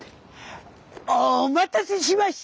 お待たせしました！